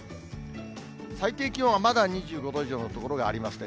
最低気温はまだ２５度以上の所がありますね。